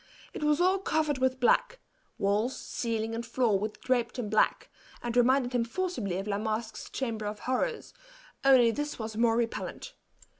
It was all covered with black walls, ceiling, and floor were draped in black, and reminded him forcibly of La Masque's chamber of horrors, only this was more repellant.